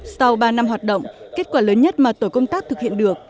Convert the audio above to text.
sau ba năm hoạt động kết quả lớn nhất mà tổ công tác thực hiện được